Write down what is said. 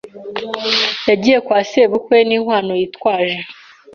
yagiye kwa sebukwe n inkwano yitwaje